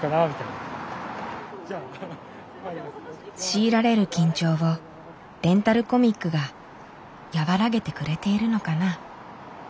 強いられる緊張をレンタルコミックが和らげてくれているのかな。